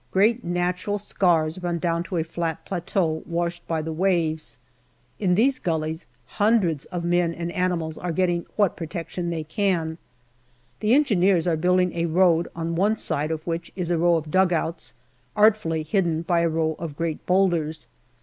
Great natural scars run down to a flat plateau washed by the waves. In these gullies hundreds of men and animals are getting what protection they can. The Engineers are building a road, on one side of which is a row of dugouts, artfully hidden by a row of great boulders.